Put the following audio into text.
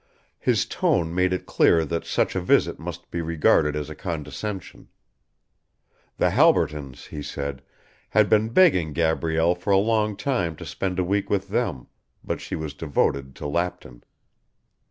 His tone made it clear that such a visit must be regarded as a condescension. The Halbertons, he said, had been begging Gabrielle for a long time to spend a week with them, but she was devoted to Lapton.